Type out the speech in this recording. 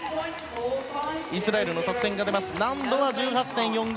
イスラエルの得点難度は１８．４５。